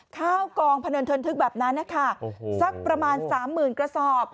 ข้าวกองพนันเทินทึกแบบนั้นนะคะสักประมาณ๓๐๐๐กระสอบ